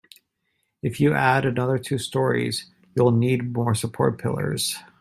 If you add another two storeys, you'll need more support pillars.